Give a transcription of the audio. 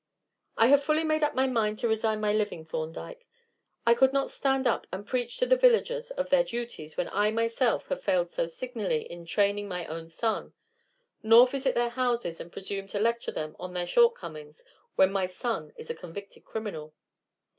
"I have fully made up my mind to resign my living, Thorndyke. I could not stand up and preach to the villagers of their duties when I myself have failed so signally in training my own son; nor visit their houses and presume to lecture them on their shortcomings when my son is a convicted criminal."